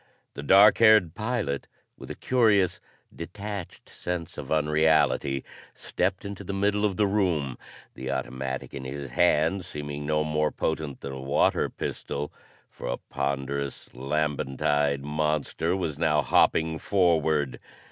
The dark haired pilot, with a curious, detached sense of unreality, stepped into the middle of the room, the automatic in his hand seeming no more potent than a water pistol, for a ponderous, lambent eyed monster was now hopping forward.